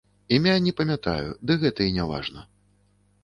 Імя не памятаю, ды гэта і не важна.